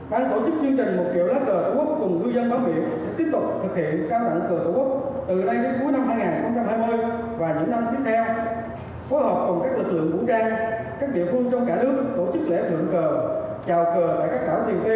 ban tổ chức chương trình một triệu lá cờ tổ quốc cùng người dân bám biển sẽ tiếp tục thực hiện trao tặng cờ tổ quốc từ nay đến cuối năm hai nghìn hai mươi và những năm tiếp theo